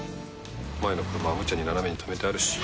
前の車はむちゃに斜めに止めてあるし。